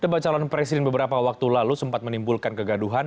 debat calon presiden beberapa waktu lalu sempat menimbulkan kegaduhan